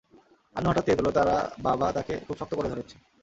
আনু হঠাৎ টের পেল তারা বাবা তাকে খুব শক্ত করে ধরছেন।